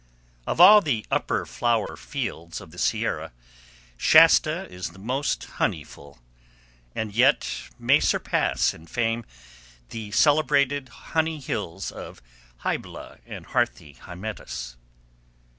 Of all the upper flower fields of the Sierra, Shasta is the most honeyful, and may yet surpass in fame the celebrated honey hills of Hybla and hearthy Hymettus.